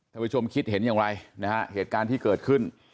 ผู้ชมคิดเห็นอย่างไรนะฮะเหตุการณ์ที่เกิดขึ้น